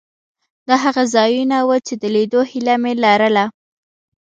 دا هغه ځایونه وو چې د لیدو هیله مې لرله.